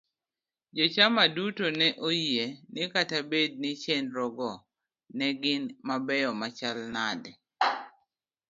jochama duto ne oyie ni kata bed ni chenrogo ne gin mabeyo machalo nade.